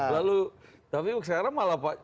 lalu tapi sekarang malah pak